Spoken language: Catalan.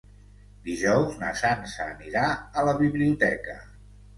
Dijous na Sança anirà a la biblioteca.